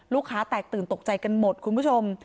แตกตื่นตกใจกันหมดคุณผู้ชม